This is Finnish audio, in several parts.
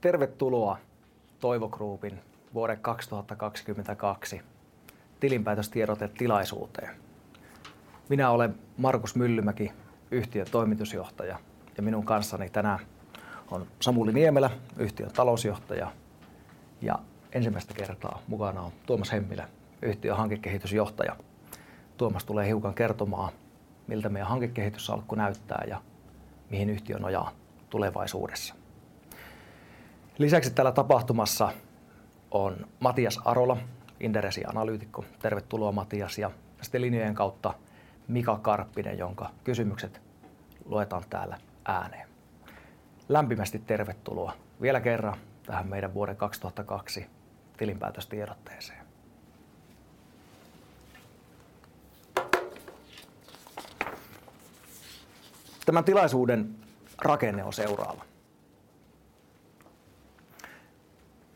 Tervetuloa Toivo Groupin vuoden 2022 tilinpäätöstiedotetilaisuuteen. Minä olen Markus Myllymäki, yhtiön Toimitusjohtaja, ja minun kanssani tänään on Samuli Niemelä, yhtiön Talousjohtaja ja ensimmäistä kertaa mukana on Tuomas Hemmilä, yhtiön Hankekehitysjohtaja. Tuomas tulee hiukan kertomaan, miltä meidän hankekehityssalkku näyttää ja mihin yhtiö nojaa tulevaisuudessa. Lisäksi täällä tapahtumassa on Matias Arola, Inderesin Analyytikko. Tervetuloa Matias ja sitten linjojen kautta Mika Karppinen, jonka kysymykset luetaan täällä ääneen. Lämpimästi tervetuloa vielä kerran tähän meidän vuoden 2002 tilinpäätöstiedotteeseen. Tämä tilaisuuden rakenne on seuraava.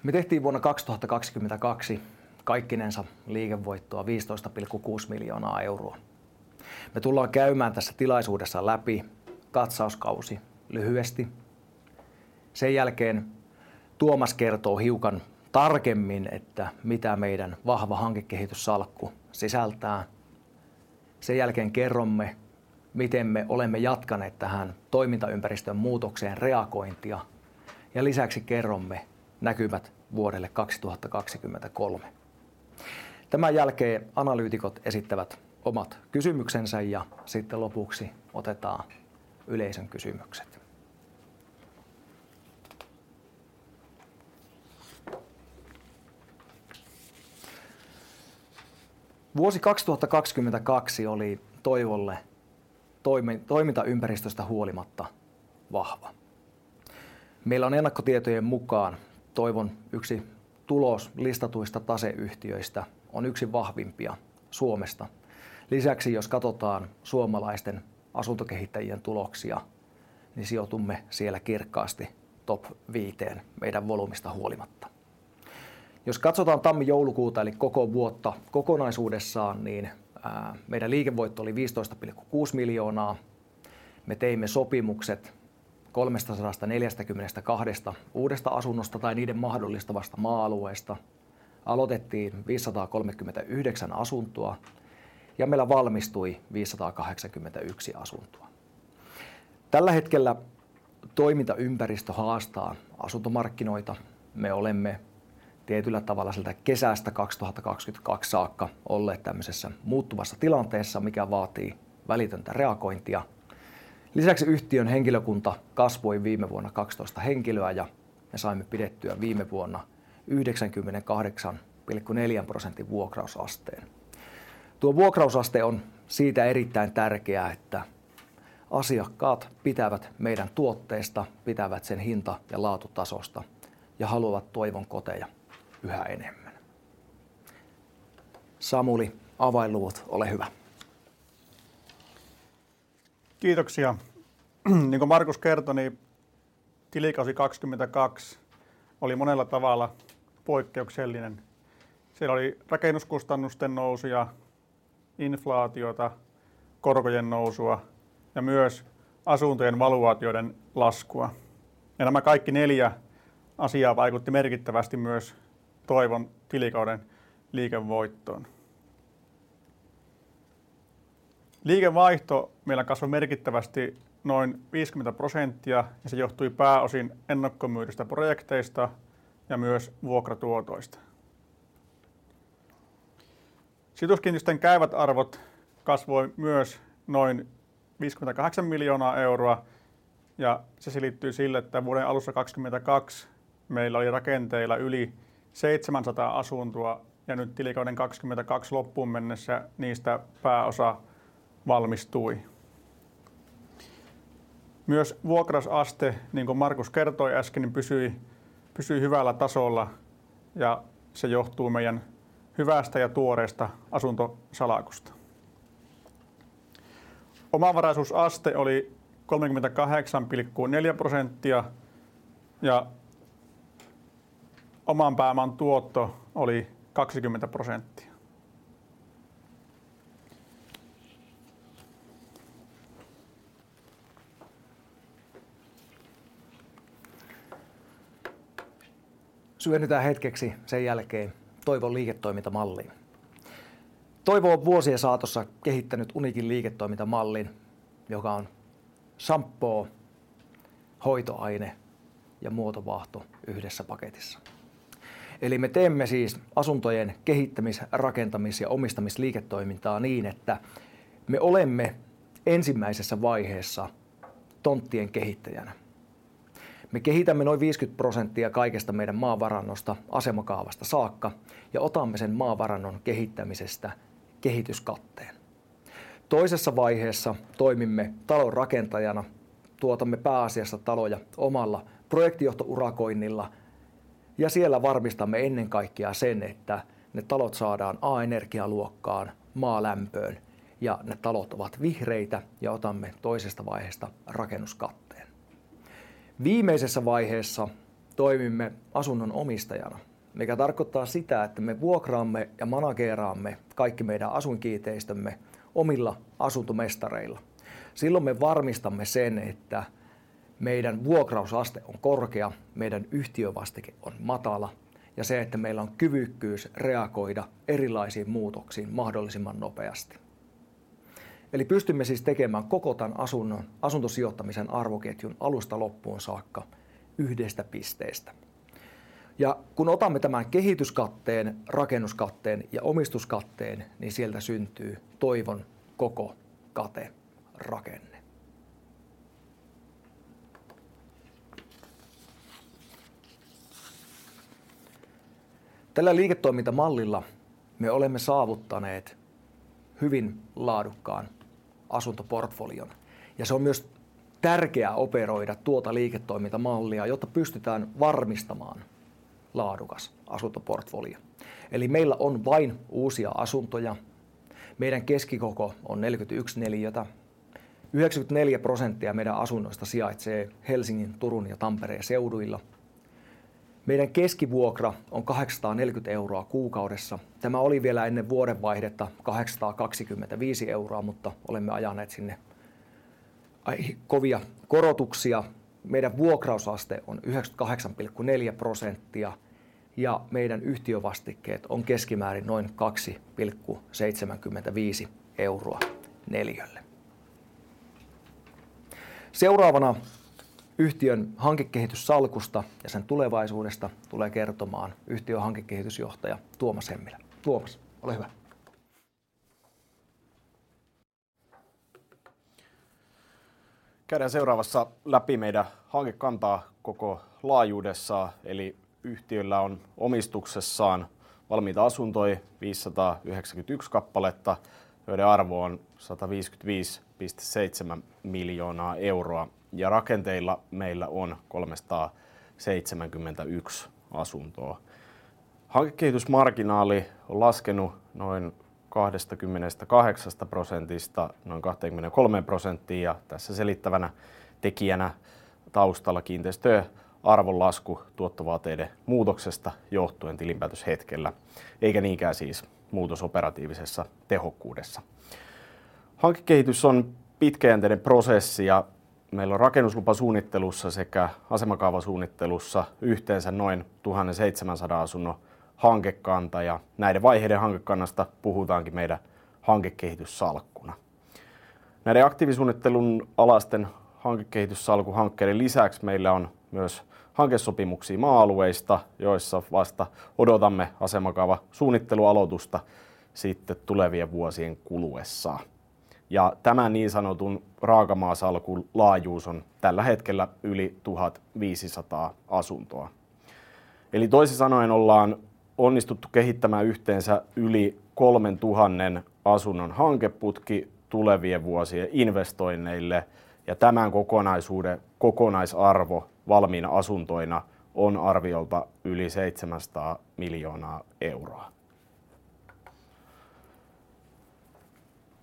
Me tehtiin vuonna 2022 kaikkinensa liikevoittoa EUR 15.6 miljoonaa. Me tullaan käymään tässä tilaisuudessa läpi katsauskausi lyhyesti. Sen jälkeen Tuomas kertoo hiukan tarkemmin, että mitä meidän vahva hankekehityssalkku sisältää. Sen jälkeen kerromme, miten me olemme jatkaneet tähän toimintaympäristön muutokseen reagointia ja lisäksi kerromme näkymät vuodelle 2023. Tämän jälkeen analyytikot esittävät omat kysymyksensä ja sitten lopuksi otetaan yleisön kysymykset. Vuosi 2022 oli Toivolle toimintaympäristöstä huolimatta vahva. Meillä on ennakkotietojen mukaan Toivon yksi tulos listatuista taseyhtiöistä on yksi vahvimpia Suomesta. Jos katsotaan suomalaisten asuntokehittäjien tuloksia, niin sijoitumme siellä kirkkaasti top 5 meidän volyymista huolimatta. Jos katsotaan tammi-joulukuuta eli koko vuotta kokonaisuudessaan, niin meidän liikevoitto oli EUR 15.6 miljoonaa. Me teimme sopimukset 342 uudesta asunnosta tai niiden mahdollistavasta maa-alueesta. Aloitettiin 539 asuntoa ja meillä valmistui 581 asuntoa. Tällä hetkellä toimintaympäristö haastaa asuntomarkkinoita. Me olemme tietyllä tavalla sieltä kesästä 2022 saakka olleet tämmösessä muuttuvassa tilanteessa, mikä vaatii välitöntä reagointia. Yhtiön henkilökunta kasvoi viime vuonna 12 henkilöä ja me saimme pidettyä viime vuonna 98.4% vuokrausasteen. Tuo vuokrausaste on siitä erittäin tärkeää, että asiakkaat pitävät meidän tuotteista, pitävät sen hinta ja laatutasosta ja haluavat Toivon Koteja yhä enemmän. Samuli avainluvut. Ole hyvä. Markus kertoi, tilikausi 2022 oli monella tavalla poikkeuksellinen. Siellä oli rakennuskustannusten nousua, inflaatiota, korkojen nousua ja myös asuntojen valuaatioiden laskua. Nämä kaikki 4 asiaa vaikutti merkittävästi myös Toivon tilikauden liikevoittoon. Liikevaihto meillä kasvoi merkittävästi noin 50% ja se johtui pääosin ennakkomyidyistä projekteista ja myös vuokratuotoista. Sijoituskiinteistöjen käyvät arvot kasvoi myös noin EUR 58 miljoonaa, ja se liittyy sille, että vuoden alussa 2022 meillä oli rakenteilla yli 700 asuntoa ja nyt tilikauden 2022 loppuun mennessä niistä pääosa valmistui. Myös vuokrasaste, Markus kertoi äsken, pysyi hyvällä tasolla ja se johtuu meidän hyvästä ja tuoreesta asuntosalkusta. Omavaraisuusaste oli 38.4% ja oman pääoman tuotto oli 20%. Syvennytään hetkeksi sen jälkeen Toivon liiketoimintamalliin. Toivo on vuosien saatossa kehittänyt uniikin liiketoimintamallin, joka on sampoo, hoitoaine ja muotovaahto yhdessä paketissa. Me teemme siis asuntojen kehittämis-, rakentamis- ja omistamisliiketoimintaa niin, että me olemme ensimmäisessä vaiheessa tonttien kehittäjänä. Me kehitämme noin 50% kaikesta meidän maavarannosta asemakaavasta saakka ja otamme sen maavarannon kehittämisestä kehityskatteen. Toisessa vaiheessa toimimme talonrakentajana. Tuotamme pääasiassa taloja omalla projektijohtourakoinnilla ja siellä varmistamme ennen kaikkea sen, että ne talot saadaan A-energialuokkaan maalämpöön ja ne talot ovat vihreitä ja otamme toisesta vaiheesta rakennuskatteen. Viimeisessä vaiheessa. Toimimme asunnon omistajana, mikä tarkoittaa sitä, että me vuokraamme ja manageeraamme kaikki meidän asuinkiinteistömme omilla asuntomestareilla. Me varmistamme sen, että meidän vuokrausaste on korkea, meidän yhtiövastike on matala ja se, että meillä on kyvykkyys reagoida erilaisiin muutoksiin mahdollisimman nopeasti. Pystymme siis tekemään koko tän asunnon asuntosijoittamisen arvoketjun alusta loppuun saakka yhdestä pisteestä. Kun otamme tämän kehityskatteen, rakennuskatteen ja omistuskatteen, niin sieltä syntyy Toivon koko katerakenne. Tällä liiketoimintamallilla me olemme saavuttaneet hyvin laadukkaan asuntoportfolion ja se on myös tärkeää operoida tuota liiketoimintamallia, jotta pystytään varmistamaan laadukas asuntoportfolio. Meillä on vain uusia asuntoja. Meidän keskikoko on 41 neliötä. 94% meidän asunnoista sijaitsee Helsingin, Turun ja Tampereen seuduilla. Meidän keskivuokra on EUR 840 kuukaudessa. Tämä oli vielä ennen vuodenvaihdetta EUR 825, olemme ajaneet sinne kovia korotuksia. Meidän vuokrausaste on 98.4% ja meidän yhtiövastikkeet on keskimäärin noin EUR 2.75 neliölle. Seuraavana yhtiön hankekehityssalkusta ja sen tulevaisuudesta tulee kertomaan yhtiön Hankekehitysjohtaja Tuomas Hemmilä. Tuomas. Ole hyvä. Käydään seuraavassa läpi meidän hankekantaa koko laajuudessaan. Yhtiöllä on omistuksessaan valmiita asuntoja 591 kappaletta, joiden arvo on EUR 155.7 million ja rakenteilla meillä on 371 asuntoa. Hankekehitysmarginaali on laskenut noin 28%:sta noin 23%:iin ja tässä selittävänä tekijänä taustalla kiinteistöjen arvon lasku tuottovaateiden muutoksesta johtuen tilinpäätöshetkellä eikä niinkään siis muutos operatiivisessa tehokkuudessa. Hankekehitys on pitkäjänteinen prosessi meillä on rakennuslupasunnittelussa sekä asemakaavasuunnittelussa yhteensä noin 1,700 asunnon hankekanta ja näiden vaiheiden hankekannasta puhutaankin meidän hankekehityssalkkuna. Näiden aktiivisuunnittelun alaisten hankekehityssalkun hankkeiden lisäksi meillä on myös hankesopimuksia maa-alueista, joissa vasta odotamme asemakaavasuunnittelun aloitusta sitten tulevien vuosien kuluessa. Tämän niin sanotun raakamaasalkun laajuus on tällä hetkellä yli 1,500 asuntoa. Toisin sanoen ollaan onnistuttu kehittämään yhteensä yli 3,000 asunnon hankeputki tulevien vuosien investoinneille ja tämän kokonaisuuden kokonaisarvo valmiina asuntoina on arviolta yli EUR 700 million. Toivo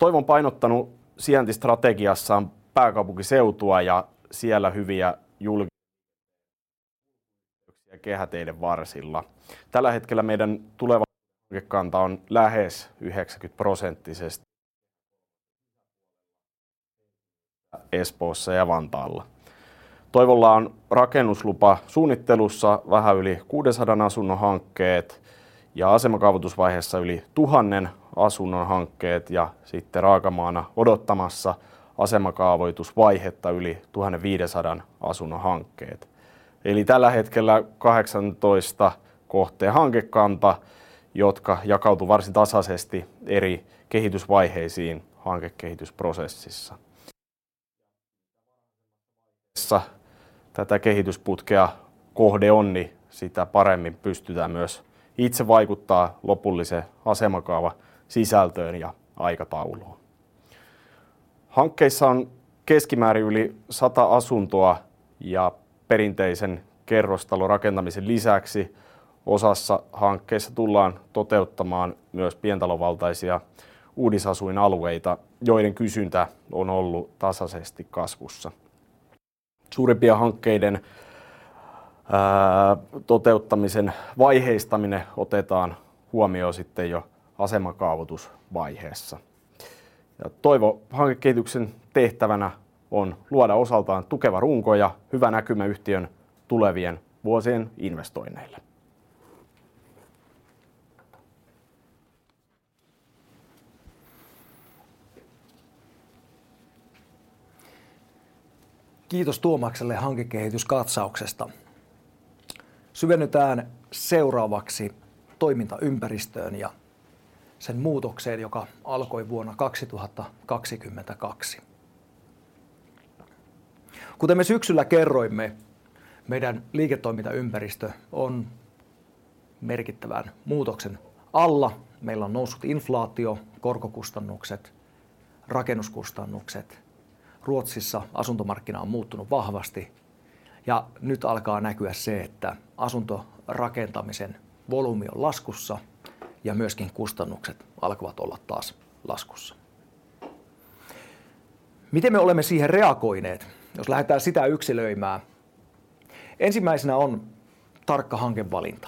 on painottanut sijaintistrategiassaan pääkaupunkiseutua ja siellä hyviä kehäteiden varsilla. Tällä hetkellä meidän tuleva hankekanta on lähes 90-prosenttisesti Espoossa ja Vantaalla. Toivolla on rakennuslupasunnittelussa vähän yli 600 asunnon hankkeet ja asemakaavoitusvaiheessa yli 1,000 asunnon hankkeet ja sitten raakamaana odottamassa asemakaavoitusvaihetta yli 1,500 asunnon hankkeet eli tällä hetkellä 18 kohteen hankekanta, jotka jakautuu varsin tasaisesti eri kehitysvaiheisiin hankekehitysprosessissa. Tätä kehitysputkea kohde on, niin sitä paremmin pystytään myös itse vaikuttaa lopulliseen asemakaavasisältöön ja aikatauluun. Hankkeissa on keskimäärin yli 100 asuntoa, ja perinteisen kerrostalorakentamisen lisäksi osassa hankkeissa tullaan toteuttamaan myös pientalovaltaisia uudisasuinalueita, joiden kysyntä on ollut tasaisesti kasvussa. Suurempien hankkeiden toteuttamisen vaiheistaminen otetaan huomioon sitten jo asemakaavoitusvaiheessa. Toivo hankekehityksen tehtävänä on luoda osaltaan tukeva runko ja hyvä näkymä yhtiön tulevien vuosien investoinneille. Kiitos Tuomakselle hankekehityskatsauksesta. Syvennytään seuraavaksi toimintaympäristöön ja sen muutokseen, joka alkoi vuonna 2022. Kuten me syksyllä kerroimme, meidän liiketoimintaympäristö on merkittävän muutoksen alla. Meillä on noussut inflaatio, korkokustannukset, rakennuskustannukset. Ruotsissa asuntomarkkina on muuttunut vahvasti ja nyt alkaa näkyä se, että asuntorakentamisen volyymi on laskussa ja myöskin kustannukset alkavat olla taas laskussa. Miten me olemme siihen reagoineet? Jos lähetään sitä yksilöimään. Ensimmäisenä on tarkka hankevalinta.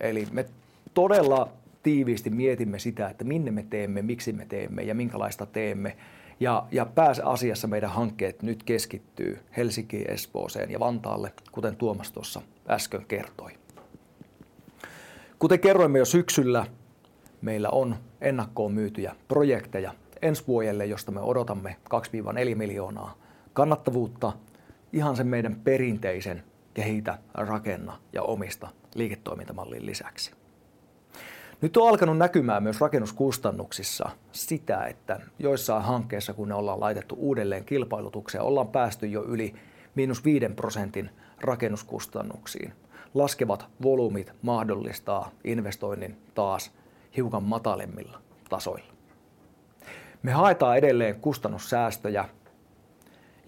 Eli me todella tiiviisti mietimme sitä, että minne me teemme, miksi me teemme ja minkälaista teemme. Ja pääasiassa meidän hankkeet nyt keskittyy Helsinkiin, Espooseen ja Vantaalle, kuten Tuomas tuossa äsken kertoi. Kuten kerroimme jo syksyllä, meillä on ennakkoon myytyjä projekteja ensi vuodelle, josta me odotamme EUR 2-4 miljoonaa kannattavuutta. Ihan sen meidän perinteisen kehitä, rakenna ja omista liiketoimintamallin lisäksi. Nyt on alkanut näkymään myös rakennuskustannuksissa sitä, että joissain hankkeissa kun ne ollaan laitettu uudelleen kilpailutukseen, ollaan päästy jo yli -5% rakennuskustannuksiin. Laskevat volyymit mahdollistaa investoinnin taas hiukan matalemmilla tasoilla. Me haetaan edelleen kustannussäästöjä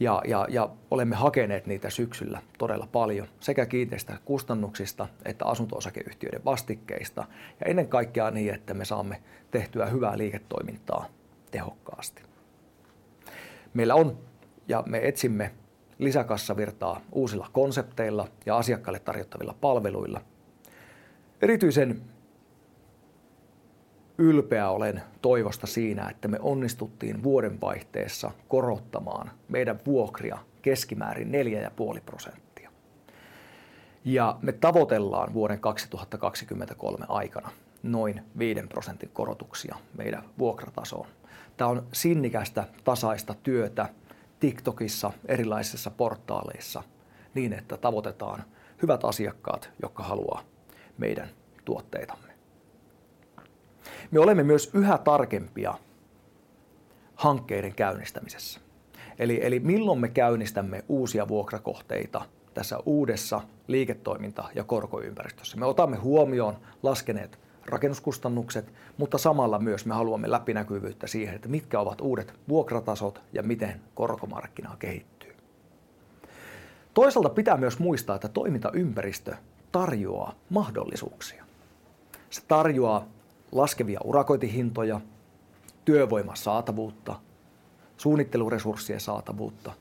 ja olemme hakeneet niitä syksyllä todella paljon sekä kiinteistökustannuksista että asunto-osakeyhtiöiden vastikkeista ja ennen kaikkea niin, että me saamme tehtyä hyvää liiketoimintaa tehokkaasti. Meillä on ja me etsimme lisäkassavirtaa uusilla konsepteilla ja asiakkaille tarjottavilla palveluilla. Erityisen ylpeä olen Toivosta siinä, että me onnistuttiin vuodenvaihteessa korottamaan meidän vuokria keskimäärin 4.5%, ja me tavoitellaan 2023 aikana noin 5% korotuksia meidän vuokratasoon. Tää on sinnikästä tasaista työtä TikTokissa erilaisissa portaaleissa niin, että tavoitetaan hyvät asiakkaat, jotka haluaa meidän tuotteitamme. Me olemme myös yhä tarkempia hankkeiden käynnistämisessä. Eli milloin me käynnistämme uusia vuokrakohteita tässä uudessa liiketoiminta ja korkoympäristössä. Me otamme huomioon laskeneet rakennuskustannukset, mutta samalla myös me haluamme läpinäkyvyyttä siihen, että mitkä ovat uudet vuokratasot ja miten korkomarkkina kehittyy. Toisaalta pitää myös muistaa, että toimintaympäristö tarjoaa mahdollisuuksia. Se tarjoaa laskevia urakointihintoja, työvoiman saatavuutta, suunnitteluresurssien saatavuutta.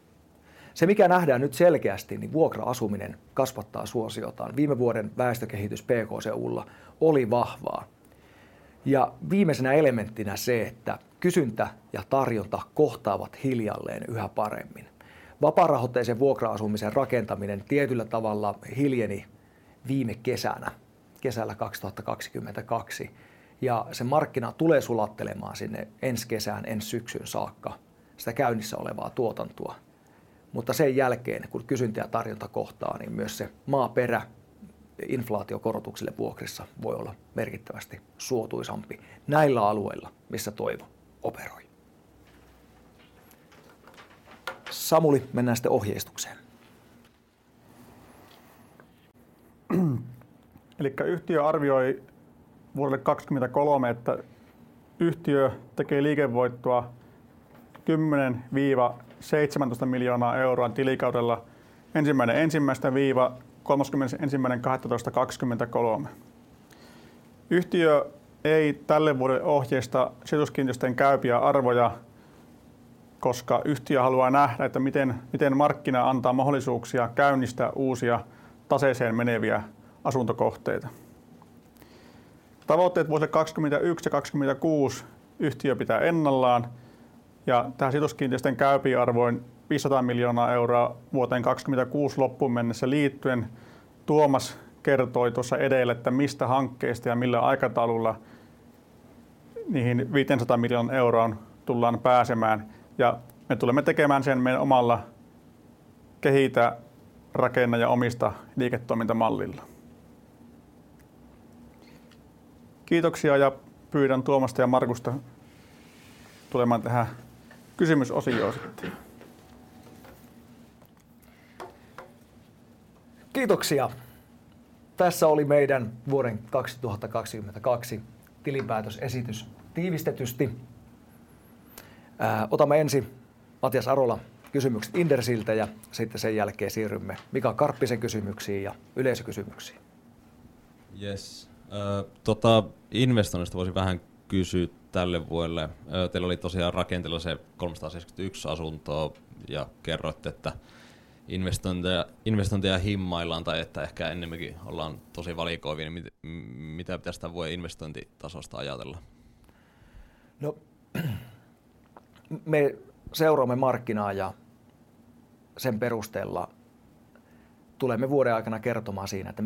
Se mikä nähdään nyt selkeästi, niin vuokra-asuminen kasvattaa suosiotaan. Viime vuoden väestökehitys PK-seudulla oli vahvaa ja viimeisenä elementtinä se, että kysyntä ja tarjonta kohtaavat hiljalleen yhä paremmin. Vapaarahoitteisen vuokra-asumisen rakentaminen tietyllä tavalla hiljeni viime kesänä kesällä 2022 ja se markkina tulee sulattelemaan sinne ensi kesään, ensi syksyyn saakka sitä käynnissä olevaa tuotantoa, mutta sen jälkeen kun kysyntä ja tarjonta kohtaa, niin myös se maaperä inflaatiokorotuksille vuokrissa voi olla merkittävästi suotuisampi näillä alueilla, missä Toivo operoi. Samuli. Mennään sitten ohjeistukseen. Yhtiö arvioi vuodelle 2023, että yhtiö tekee liikevoittoa EUR 10 million-EUR 17 million tilikaudella 1/1-31/12/2023. Yhtiö ei tälle vuodelle ohjeista sijoituskiinteistöjen käypiä arvoja, koska yhtiö haluaa nähdä, että miten markkina antaa mahdollisuuksia käynnistää uusia taseeseen meneviä asuntokohteita. Tavoitteet vuodelle 2021 ja 2026 yhtiö pitää ennallaan ja tähän sijoituskiinteistöjen käypäarvoon EUR 500 million vuoteen 2026 loppuun mennessä liittyen. Tuomas kertoi tuossa edellä, että mistä hankkeista ja millä aikataululla niihin EUR 500 million tullaan pääsemään ja me tulemme tekemään sen meidän omalla kehitä, rakenna ja omista liiketoimintamallilla. Kiitoksia ja pyydän Tuomasta ja Markusta tulemaan tähän kysymysosioon sitten. Kiitoksia! Tässä oli meidän vuoden 2022 tilinpäätösesitys tiivistetysti. Otamme ensin Matias Arola kysymykset Inderesiltä ja sitten sen jälkeen siirrymme Mika Karppisen kysymyksiin ja yleisökysymyksiin. Jes! Investoinneista voisin vähän kysyä tälle vuodelle. Teillä oli tosiaan rakenteilla se 371 asuntoa ja kerroitte, että investointeja himmaillaan tai että ehkä ennemminkin ollaan tosi valikoivia. Miten pitäis tän vuoden investointitasosta ajatella? Me seuraamme markkinaa ja sen perusteella tulemme vuoden aikana kertomaan siinä, että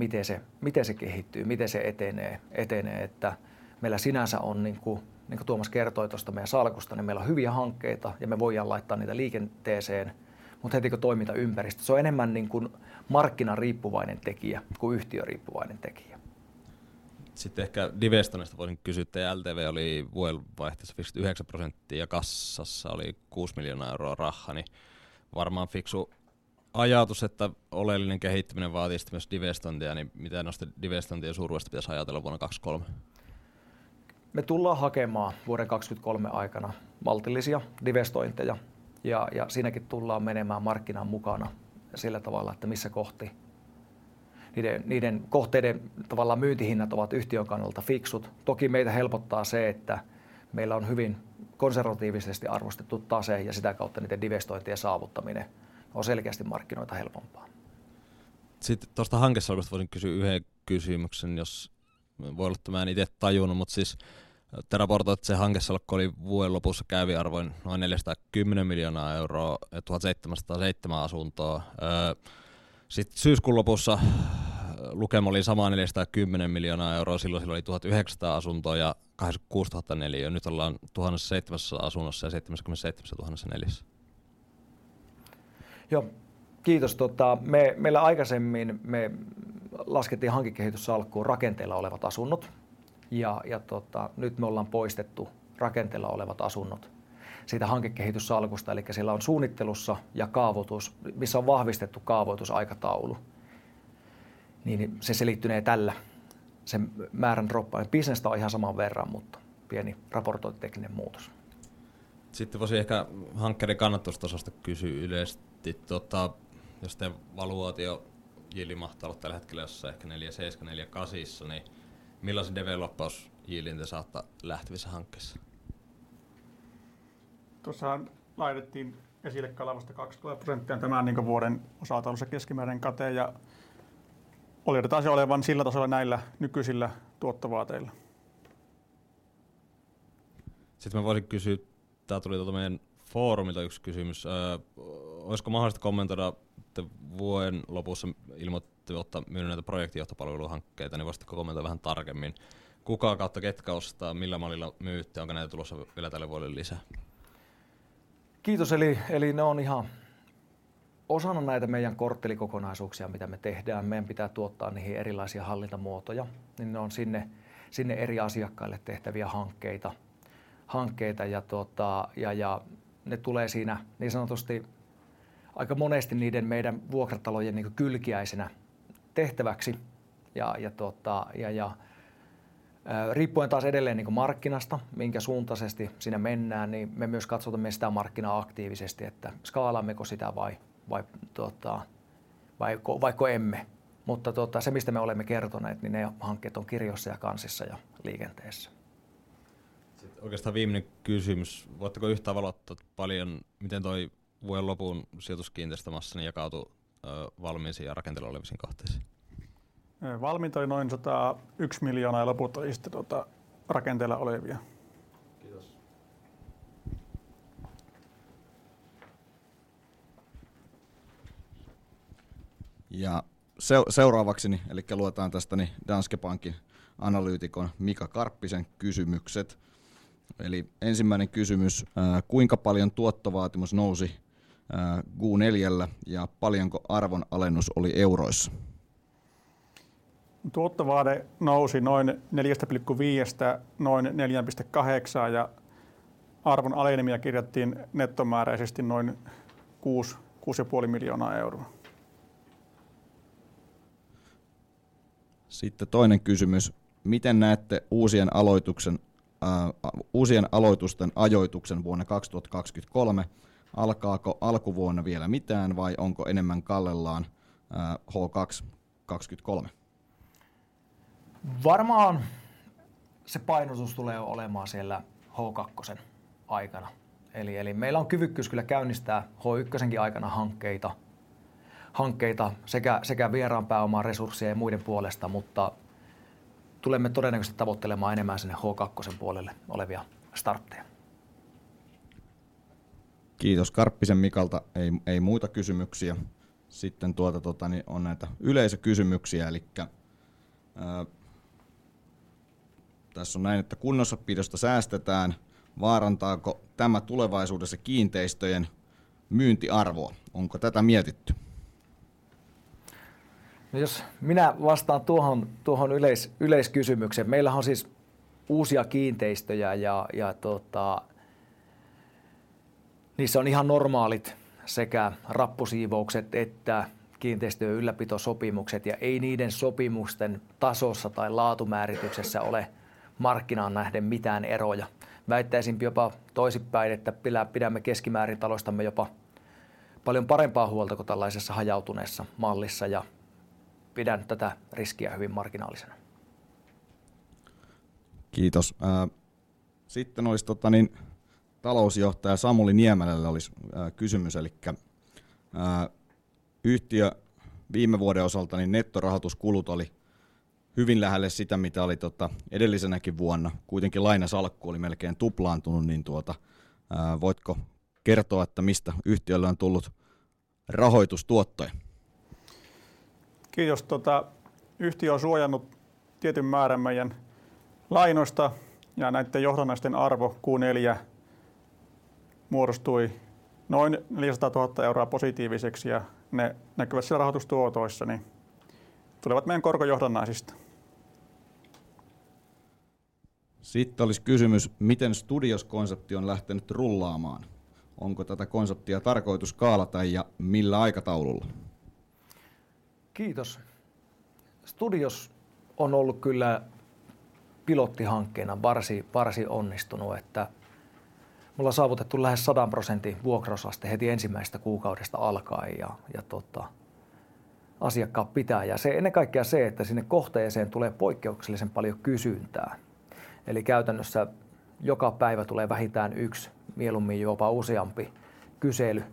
miten se kehittyy, miten se etenee. Meillä sinänsä on niin kuin Tuomas kertoi tuosta meidän salkusta, niin meillä on hyviä hankkeita ja me voidaan laittaa niitä liikenteeseen, mutta hetken kun toimintaympäristö, se on enemmän niin kuin markkinariippuvainen tekijä kuin yhtiöriippuvainen tekijä. Ehkä divestoinneista voisin kysyä. Teidän LTV oli vuodenvaihteessa 59% ja kassassa oli EUR 6 million rahaa, niin varmaan fiksu ajatus, että oleellinen kehittyminen vaatii sitten myös divestointeja. Mitä noista divestointien suuruudesta pitäisi ajatella vuonna 2023? Me tullaan hakemaan vuoden 2023 aikana maltillisia divestointeja ja siinäkin tullaan menemään markkinan mukana sillä tavalla, että missä kohti Niiden kohteiden tavallaan myyntihinnat ovat yhtiön kannalta fiksut. Toki meitä helpottaa se, että meillä on hyvin konservatiivisesti arvostettu tase ja sitä kautta niiden divestointien saavuttaminen on selkeästi markkinoita helpompaa. Tosta hankesalkusta voisin kysyä yhden kysymyksen. Voi olla, että en ite tajunnu, mut siis te raportoitte, että se hankesalkku oli vuoden lopussa käyvän arvon noin EUR 410 million ja 1,707 apartments. Syyskuun lopussa lukema oli sama EUR 410 million. Silloin siellä oli 1,900 apartments ja 86,000 square meters. Nyt ollaan 1,007 apartments ja 77,000 square meters. Kiitos! Meillä aikaisemmin me laskettiin hankekehityssalkkuun rakenteilla olevat asunnot ja nyt me ollaan poistettu rakenteilla olevat asunnot siitä hankekehityssalkusta. Siellä on suunnittelussa ja kaavoitus, missä on vahvistettu kaavoitusaikataulu, se selittynee tällä sen määrän droppailu. Bisnestä on ihan saman verran, mutta pieni raportointitekninen muutos. Voisin ehkä hankkeiden kannattavuustasosta kysyä yleisesti. Tota, jos teidän valuaatiotyyli mahtaa olla tällä hetkellä jossain ehkä 4.6%-4.8%, niin milloin se development yield te saatte lähtevissä hankkeissa? Tossahan laitettiin esille kalvosta 2,000%. Tämän niinku vuoden osalta on se keskimääräinen kate ja oletetaan sen olevan sillä tasolla näillä nykyisillä tuottovaateilla. Mä voisin kysyä. Tää tuli tuolta meidän foorumilta one kysymys. Oisko mahdollista kommentoida te vuoden lopussa ilmoititte, että myynyt näitä projektinjohtopalveluhankkeita, niin voisitteko kommentoida vähän tarkemmin kuka kautta ketkä ostaa? Millä mallilla myytte? Onko näitä tulossa vielä tälle vuodelle lisää? Kiitos. Eli ne on ihan osana näitä meidän korttelikokonaisuuksia, mitä me tehdään. Meidän pitää tuottaa niihin erilaisia hallintamuotoja, niin ne on sinne eri asiakkaille tehtäviä hankkeita. Tuota ja ne tulee siinä niin sanotusti aika monesti niiden meidän vuokratalojen niinku kylkiäisinä tehtäväksi. Tuota ja riippuen taas edelleen niinku markkinasta minkä suuntaisesti siinä mennään, niin me myös katsomme sitä markkinaa aktiivisesti, että skaalaammeko sitä vai tuota vai vaikka emme. Tuota se, mistä me olemme kertoneet, niin ne hankkeet on kirjoissa ja kansissa ja liikenteessä. Oikeastaan viimenen kysymys. Voitteko yhtään valottaa paljon miten toi vuoden lopun sijoituskiinteistömassanne jakautui valmiisiin ja rakenteilla oleviin kohteisiin? Valmiita oli noin EUR 101 million ja loput oli sitten tota rakenteilla olevia. Kiitos! seuraavaksi elikkä luetaan tästä Danske Bankin analyytikon Mika Karppisen kysymykset. ensimmäinen kysymys. Kuinka paljon tuottovaatimus nousi Q4:llä ja paljonko arvonalennus oli euroissa? Tuottovaade nousi noin 4.5%:stä noin 4.8%:iin ja arvonalenemia kirjattiin nettomääräisesti noin EUR 6.5 million. toinen kysymys. Miten näette uusien aloituksen uusien aloitusten ajoituksen vuonna 2023? Alkaako alkuvuonna vielä mitään vai onko enemmän kallellaan H2 2023? Varmaan se painotus tulee olemaan siellä h 2:n aikana. Meillä on kyvykkyys kyllä käynnistää h 1:nkin aikana hankkeita sekä vieraan pääoman, resursseja ja muiden puolesta, mutta tulemme todennäköisesti tavoittelemaan enemmän sinne h 2:n puolelle olevia startteja. Kiitos Karppisen Mikalta. Ei muita kysymyksiä. On näitä yleisökysymyksiä. Tässä on näin, että kunnossapidosta säästetään. Vaarantaako tämä tulevaisuudessa kiinteistöjen myyntiarvoa? Onko tätä mietitty? No jos minä vastaan tuohon yleiskysymykseen. Meillähän on siis uusia kiinteistöjä ja tuota niissä on ihan normaalit sekä rappusiivoukset että kiinteistöjen ylläpitosopimukset. Ei niiden sopimusten tasossa tai laatumäärityksessä ole markkinaan nähden mitään eroja. Väittäisinpi jopa toisinpäin, että pidämme keskimäärin taloistamme jopa paljon parempaa huolta kuin tällaisessa hajautuneessa mallissa ja pidän tätä riskiä hyvin marginaalisena. Kiitos! Sitten olisi Talousjohtaja Samuli Niemelä olis kysymys. Yhtiö viime vuoden osalta nettorahoituskulut oli hyvin lähellä sitä, mitä oli edellisenäkin vuonna. Lainasalkku oli melkein tuplaantunut. Voitko kertoa, että mistä yhtiölle on tullut rahoitustuottoja? Kiitos! Tota yhtiö on suojannut tietyn määrän meidän lainoista ja näitten johdannaisten arvo Q4 muodostui noin EUR 400,000 positiiviseksi ja ne näkyvät siellä rahoitustuotoissa, niin tulevat meidän korkojohdannaisista. olisi kysymys, miten Studios konsepti on lähtenyt rullaamaan. Onko tätä konseptia tarkoitus skaalata ja millä aikataululla? Kiitos! Studios on ollut kyllä Pilottihankkeena varsin onnistunut, että me ollaan saavutettu lähes 100% vuokrausaste heti ensimmäisestä kuukaudesta alkaen ja tota asiakkaat pitää ja se ennen kaikkea se, että sinne kohteeseen tulee poikkeuksellisen paljon kysyntää. Eli käytännössä joka päivä tulee vähintään 1, mieluummin jopa useampi kysely.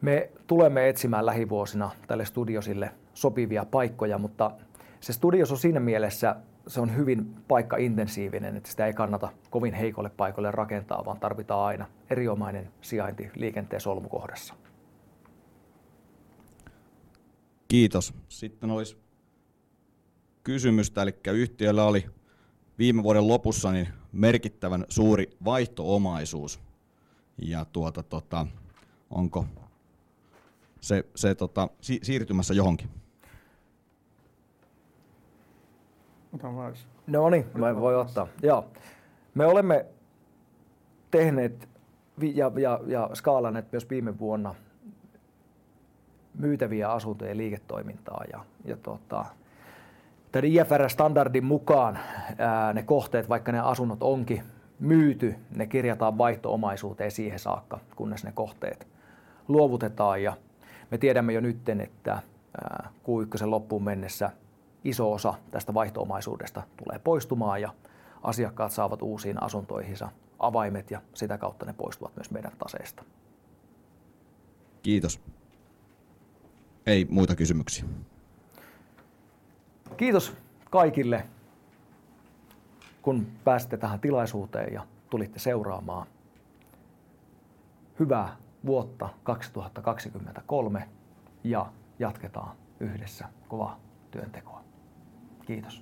Me tulemme etsimään lähivuosina tälle Studiosille sopivia paikkoja, mutta se Studios on siinä mielessä se on hyvin paikka-intensiivinen, että sitä ei kannata kovin heikoille paikoille rakentaa, vaan tarvitaan aina erinomainen sijainti liikenteen solmukohdassa. Kiitos! Olisi kysymystä. Yhtiöllä oli viime vuoden lopussa niin merkittävän suuri vaihtoomaisuus, onko se siirtymässä johonkin? Otan vaan. No ni mä voin ottaa. Joo. Me olemme tehneet ja skaalannut myös viime vuonna myytäviä asuntoja ja liiketoimintaa ja tota tän IFRS standardin mukaan ne kohteet vaikka ne asunnot onkin myyty, ne kirjataan vaihtoomaisuuteen siihen saakka, kunnes ne kohteet luovutetaan. Me tiedämme jo nytten, että Q1:sen loppuun mennessä iso osa tästä vaihtoomaisuudesta tulee poistumaan ja asiakkaat saavat uusiin asuntoihinsa avaimet ja sitä kautta ne poistuvat myös meidän taseesta. Kiitos. Ei muita kysymyksiä. Kiitos kaikille, kun pääsitte tähän tilaisuuteen ja tulitte seuraamaan. Hyvää vuotta 2023. Jatketaan yhdessä kovaa työntekoa. Kiitos!